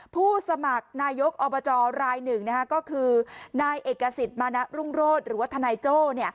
ผู้สมัครนายกอบจรายหนึ่งก็คือนายเอกสิทธิ์มณะรุ่งโรศหรือว่าทนายโจ้